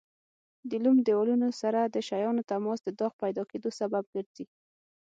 د لمد دېوالونو سره د شیانو تماس د داغ پیدا کېدو سبب ګرځي.